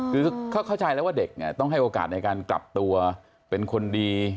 คือเข้าใจแล้วว่าเด็กเนี่ยต้องให้โอกาสในการกลับตัวเป็นคนดี